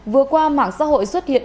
vừa qua mạng xã hội xuất hiện